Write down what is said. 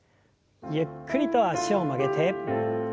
ゆっくりと脚を曲げて。